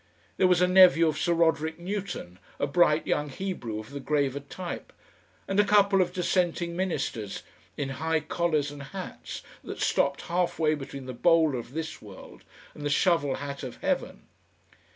There was a nephew of Sir Roderick Newton, a bright young Hebrew of the graver type, and a couple of dissenting ministers in high collars and hats that stopped halfway between the bowler of this world and the shovel hat of heaven.